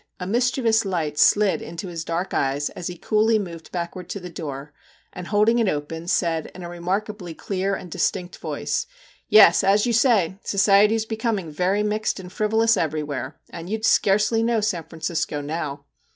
A mischievous light slid into his dark eyes as he coolly moved backward to the door, and holding if open, said, in a remarkably clear and distinct voice ' Yes, as you say, society is becoming very mixed and frivolous everywhere, and you'd scarcely know San Francisco now.